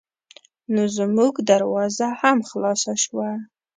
نو زمونږ دروازه هم خلاصه شوه.